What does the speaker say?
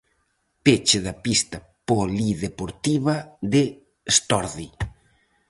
Peche da pista polideportiva de Estorde.